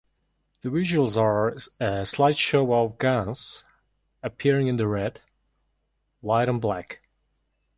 The visuals are a slideshow of guns, appearing in red, white and black.